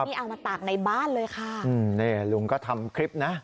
นี่เอามาตากในบ้านเลยค่ะอืมนี่ลุงก็ทำคลิปนะ